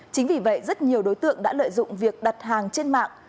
chính vì vậy rất nhiều đối tượng đã lợi dụng việc đặt hàng trên mạng